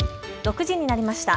６時になりました。